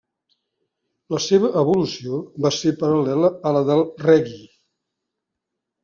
La seva evolució va ser paral·lela a la del reggae.